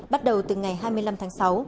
bắt đầu từ ngày hai mươi năm tháng sáu